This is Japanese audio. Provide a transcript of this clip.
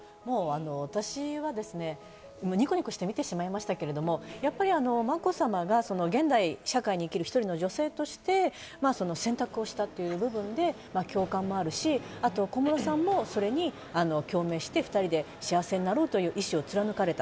私はニコニコして見てしまいましたけれどもまこさまが現代社会に生きる１人の女性として選択をしたという部分で共感もあるし、小室さんもそれに共鳴して、２人で幸せなろうという意志を貫かれた。